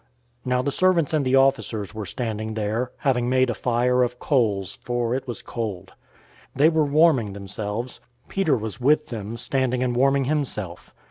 018:018 Now the servants and the officers were standing there, having made a fire of coals, for it was cold. They were warming themselves. Peter was with them, standing and warming himself.